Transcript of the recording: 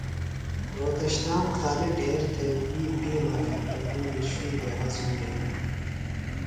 رھوتشنام خالیۡ ڈھیر تھےۡ وی پِیلوۡ ہینتہ گُولیۡ شُوئی بھےۡ ہضُم بھینیۡ۔